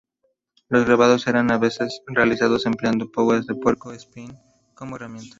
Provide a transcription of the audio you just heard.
Los grabados eran a veces realizados empleando púas de puerco espín como herramienta.